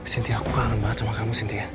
sinti aku kaget banget sama kamu sinti ya